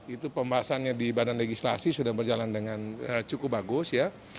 itu pembahasannya di badan legislasi sudah berjalan dengan cukup bagus ya